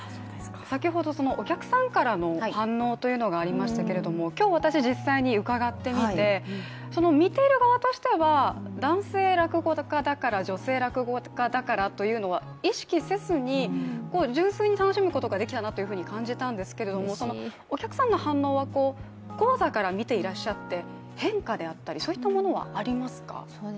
先ほどお客さんからの反応というのがありましたけれども、今日、私実際に伺ってみて見てる側からとして男性落語家だから、女性落語家だからというのは意識せずに、純粋に楽しむことができたなというふうに感じたんですけれども、お客さんの反応は、高座から見ていらっしゃって変化であったり、そういったものはありますか？